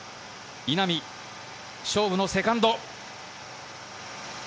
稲見、勝負のセカンド。